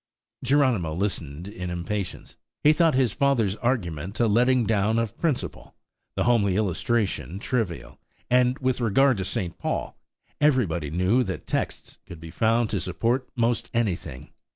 Geronimo listened in impatience. He thought his father's argument a letting down of principle, the homely illustration trivial, and with regard to St. Paul, everybody knew that texts could be found to support most anything.